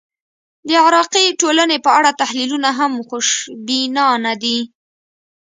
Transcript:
د عراقي ټولنې په اړه تحلیلونه هم خوشبینانه دي.